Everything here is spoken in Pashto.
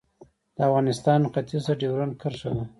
د افغانستان ختیځ ته ډیورنډ کرښه ده